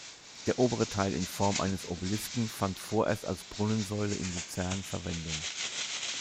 Der obere Teil in Form eines Obelisken fand vorerst als Brunnensäule in Luzern Verwendung.